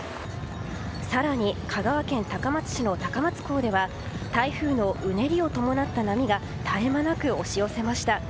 更に、香川県高松市の高松港では台風のうねりを伴った波が絶え間なく押し寄せました。